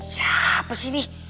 siapa sih ini